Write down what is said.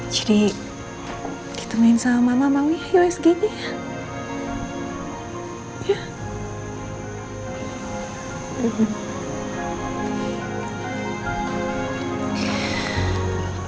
jadi ditemuin sama mama mau ya usg nya ya